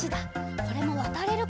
これもわたれるかな？